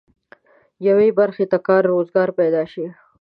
یوې برخې ته کار روزګار پيدا شي.